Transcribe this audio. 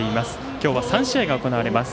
今日は３試合が行われます。